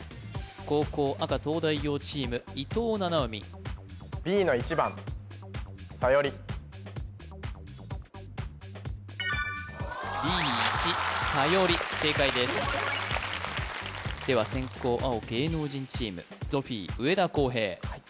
後攻赤東大王チーム伊藤七海Ｂの１番Ｂ１さより正解ですでは先攻青芸能人チームゾフィー上田航平